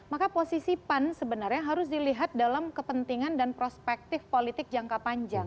maka posisi pan sebenarnya harus dilihat dalam kepentingan dan perspektif politik jangka panjang